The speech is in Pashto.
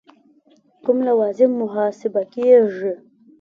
کور لوازم محاسبه کېږي.